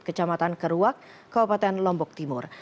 kecamatan keruak kabupaten lombok timur